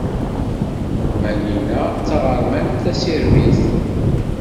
Malina d taɣermant taṣirbit.